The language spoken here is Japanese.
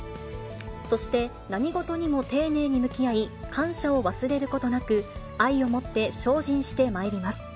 そして、何事にも丁寧に向き合い、感謝を忘れることなく、愛を持って精進してまいります。